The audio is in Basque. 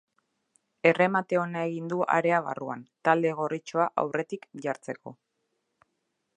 Erremate ona egin du area barruan, talde gorritxoa aurretik jartzeko.